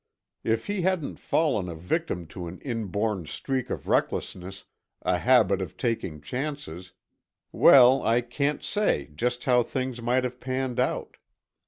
If he hadn't fallen a victim to an inborn streak of recklessness, a habit of taking chances,—well, I can't say just how things would have panned out.